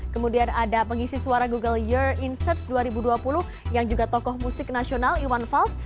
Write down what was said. kemudian ada pengisi suara google year inserts dua ribu dua puluh yang juga tokoh musik nasional iwan fals